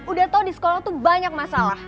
udah tau di sekolah tuh banyak masalah